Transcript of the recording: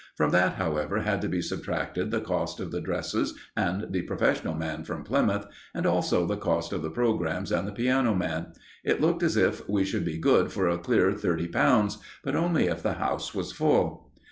From that, however, had to be subtracted the cost of the dresses and the professional man from Plymouth, and also the cost of the programmes and the piano man. It looked as if we should be good for a clear thirty pounds; but only if the house was full.